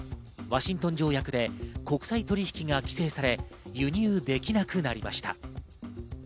ワシントン条約で国際取引が規制され輸入できなくなりました。